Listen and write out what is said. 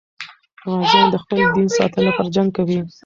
غازیان د خپل دین ساتنې لپاره جنګ کوي.